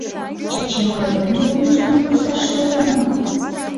Чачим ойырлен толмыжлан вурсаш толын мо?